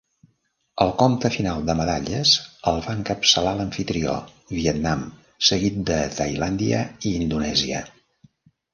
El compte final de medalles el va encapçalar l'amfitrió, Vietnam, seguit de Tailàndia i Indonèsia.